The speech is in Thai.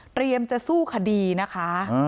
เตรียมจะสู้คดีนะคะ